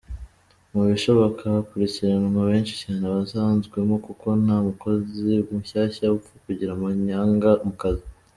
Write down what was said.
mu bishoboka hakurikiranwa benshi cyane abasanzwemo Kuko, ntamukozi mushyashya upfa kugira amanyanga mukazi .